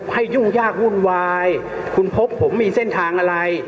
ยุ่งยากวุ่นวายคุณพบผมมีเส้นทางอะไร